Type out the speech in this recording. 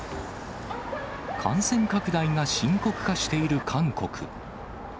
感染拡大が深刻化している韓国。